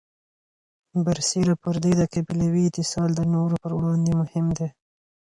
برسېره پر دې، د قبیلوي اتصال د نورو پر وړاندې مهم دی.